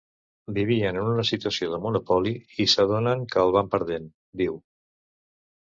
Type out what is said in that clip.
Vivien en una situació de monopoli i s’adonen que el van perdent, diu.